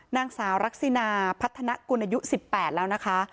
นางสาวรักษินาพัฒนากุลอายุ๑๘แล้วนะคะ